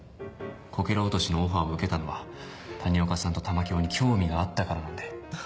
こけら落としのオファーを受けたのは谷岡さんと玉響に興味があったからなんで。